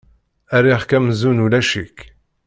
Rriɣ-k amzun ulac-ik.